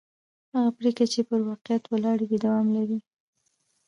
هغه پرېکړې چې پر واقعیت ولاړې وي دوام لري